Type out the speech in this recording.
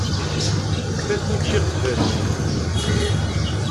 Fakk učči qbel.